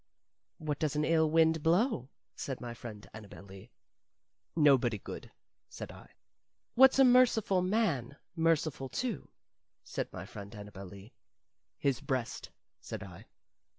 "What does an ill wind blow?" said my friend Annabel Lee. "Nobody good," said I. "What's a merciful man merciful to?" said my friend Annabel Lee. "His beast," said I.